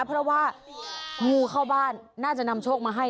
เพราะว่างูเข้าบ้านน่าจะนำโชคมาให้